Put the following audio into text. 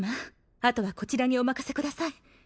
あとはこちらにお任せください